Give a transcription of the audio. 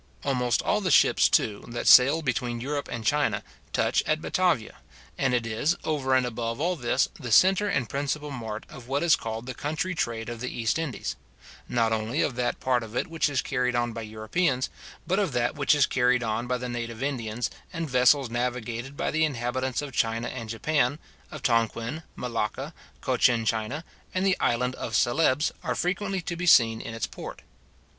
Almost all the ships too, that sail between Europe and China, touch at Batavia; and it is, over and above all this, the centre and principal mart of what is called the country trade of the East Indies; not only of that part of it which is carried on by Europeans, but of that which is carried on by the native Indians; and vessels navigated by the inhabitants of China and Japan, of Tonquin, Malacca, Cochin China, and the island of Celebes, are frequently to be seen in its port.